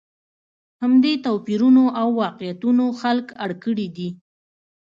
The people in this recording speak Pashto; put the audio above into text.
همدې توپیرونو او واقعیتونو خلک اړ کړي دي.